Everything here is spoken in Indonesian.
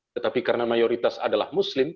tetapi karena mayoritas adalah muslim